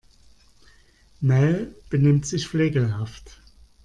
Mel benimmt sich flegelhaft.